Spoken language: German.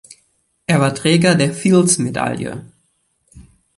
Er war Träger der Fields-Medaille.